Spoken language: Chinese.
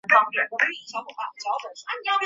曾是任天堂公司内部最大的一个分部门。